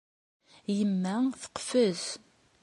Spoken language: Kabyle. Yemma teqfez.